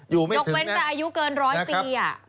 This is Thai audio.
อยู่ไม่ถึงยกเว้นแต่อายุเกิน๑๐๐ปี